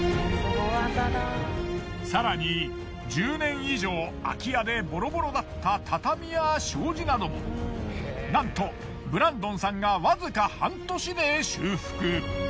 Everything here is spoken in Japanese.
更に１０年以上空き家でボロボロだった畳や障子などもなんとブランドンさんがわずか半年で修復。